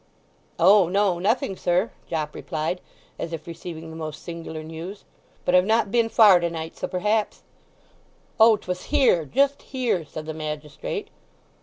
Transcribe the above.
"O no—nothing, sir," Jopp replied, as if receiving the most singular news. "But I've not been far tonight, so perhaps—" "Oh, 'twas here—just here," said the magistrate.